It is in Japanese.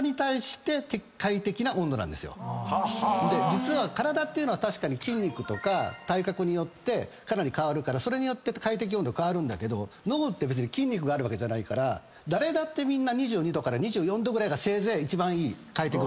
実は体っていうのは確かに筋肉とか体格によってかなり変わるからそれによって快適温度変わるんだけど脳って別に筋肉があるわけじゃないから誰だってみんな２２℃から２４℃ぐらいがせいぜい一番いい快適温度なんですね。